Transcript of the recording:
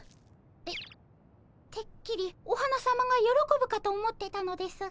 えってっきりお花さまがよろこぶかと思ってたのですが。